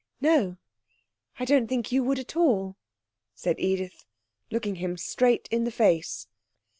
'No; I don't think you would at all,' said Edith, looking him straight in the face.